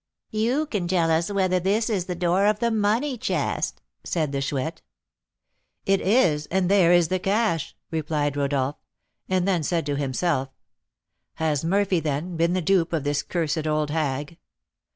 "You can tell us whether this is the door of the money chest," said the Chouette. "It is, and there is the cash," replied Rodolph; and then said to himself, "Has Murphy, then, been the dupe of this cursed old hag?